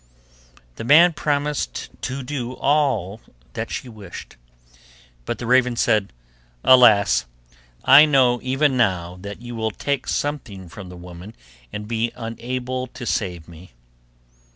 The man promised to do all that she wished, but the raven said, 'Alas! I know even now that you will take something from the woman and be unable to save me.